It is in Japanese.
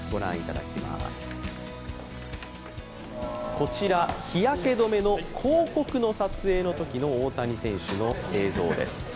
こちら、日焼け止めの広告の撮影のときの大谷選手の映像です。